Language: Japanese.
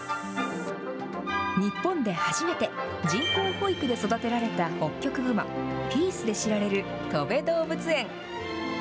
日本で初めて人工哺育で育てられたホッキョクグマ、ピースで知られるとべ動物園。